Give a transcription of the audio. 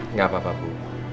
nggak apa apa bu